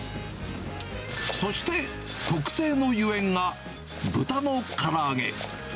そして、特製のゆえんが、豚のから揚げ。